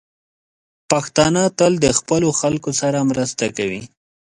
پښتانه تل د خپلو خلکو سره مرسته کوي.